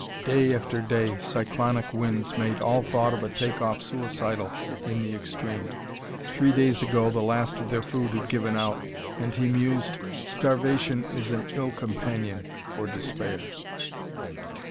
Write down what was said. Day after day, cyclonic winds made all thought of a take off suicidal in the extreme. Three days ago the last of their food had given out, and, he mused, starvation is an ill companion for despair.